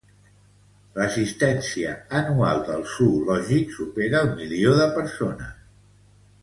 L'assistència anual del zoològic supera el milió de persones.